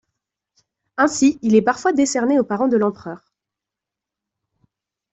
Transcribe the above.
Ainsi, il est parfois décerné aux parents de l'empereur.